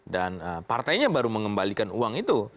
dan partainya baru mengembalikan uang itu